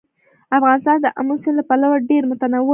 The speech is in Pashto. افغانستان د آمو سیند له پلوه ډېر متنوع دی.